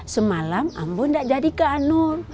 semalam ambo gak jadi ke anur